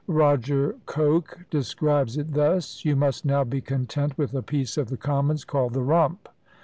Roger Coke describes it thus: "You must now be content with a piece of the Commons called 'the Rump.'"